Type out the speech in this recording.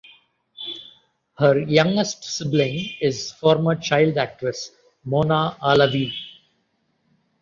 Her youngest sibling is former child actress Mona Alawi.